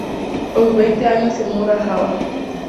A sus veinte años se muda a Java.